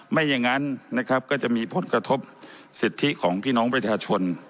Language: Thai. ไม่อย่างนั้นนะครับก็จะมีผลกระทบสิทธิของพี่น้องประชาชน